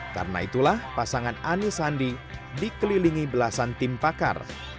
karena itulah pasangan anies sandi dikelilingi belasan tim pakar